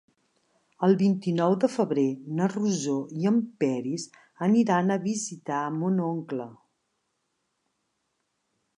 El vint-i-nou de febrer na Rosó i en Peris aniran a visitar mon oncle.